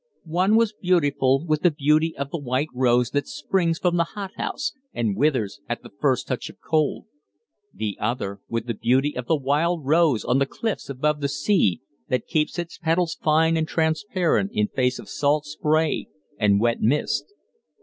One was beautiful with the beauty of the white rose that springs from the hot house and withers at the first touch of cold; the other with the beauty of the wild rose on the cliffs above the sea, that keeps its petals fine and transparent in face of salt spray and wet mist.